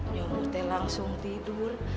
nyumbuh teh langsung tidur